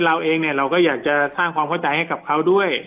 เราเองเนี่ยเราก็อยากจะสร้างความเข้าใจให้กับเขาด้วย